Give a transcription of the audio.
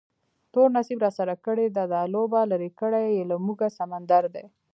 تور نصیب راسره کړې ده دا لوبه، لرې کړی یې له موږه سمندر دی